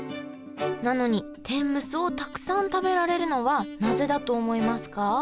なのに天むすをたくさん食べられるのはなぜだと思いますか？